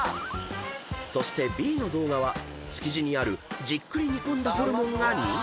［そしてＢの動画は築地にあるじっくり煮込んだホルモンが人気のお店］